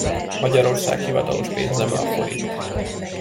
Magyarország hivatalos pénzneme a forint.